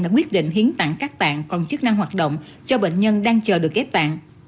đã quyết định hiến tặng các bạn còn chức năng hoạt động cho bệnh nhân đang chờ được ghép tạng